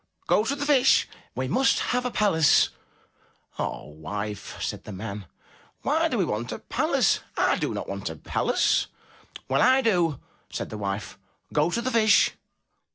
Go to the Fish. We must have a palace ! "Ah, wife, said the man, "why do we want a palace? I do not want a palace. "Well, I do!'* said the wife. "Go to the Fish!